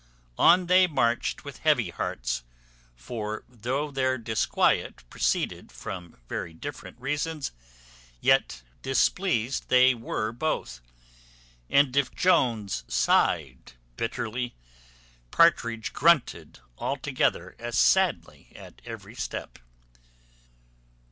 On they marched with heavy hearts; for though their disquiet proceeded from very different reasons, yet displeased they were both; and if Jones sighed bitterly, Partridge grunted altogether as sadly at every step.